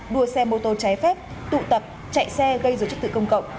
đua xe mô tô trái phép tụ tập chạy xe gây dối chức tự công cộng